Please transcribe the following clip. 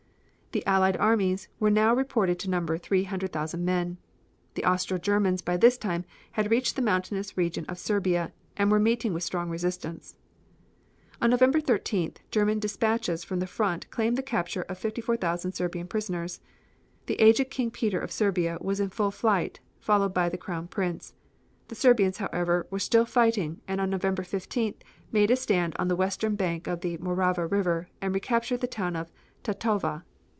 The Allied armies were now reported to number three hundred thousand men. The Austro Germans by this time had reached the mountainous region of Serbia, and were meeting with strong resistance. On November 13th, German despatches from the front claimed the capture of 54,000 Serbian prisoners. The aged King Peter of Serbia was in full flight, followed by the Crown Prince. The Serbians, however, were still fighting and on November 15th, made a stand on the western bank of the Morava River, and recaptured the town of Tatova.